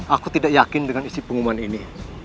aku tidak yakin dengan isi pengumuman ini